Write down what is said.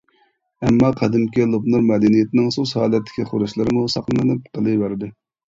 ئەمما قەدىمكى لوپنۇر مەدەنىيىتىنىڭ سۇس ھالەتتىكى خۇرۇچلىرىمۇ ساقلىنىپ قېلىۋەردى.